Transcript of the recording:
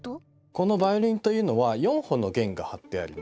このヴァイオリンというのは４本の弦が張ってあります。